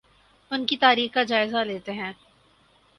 ان کی تاریخ کا جائزہ لیتے ہیں